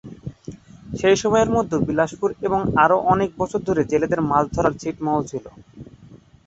সেই সময়ের মধ্যে বিলাসপুর এবং আরো অনেক বছর ধরে জেলেদের মাছ ধরার ছিটমহল ছিল।